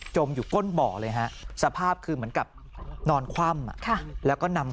อยู่ก้นบ่อเลยฮะสภาพคือเหมือนกับนอนคว่ำแล้วก็นำ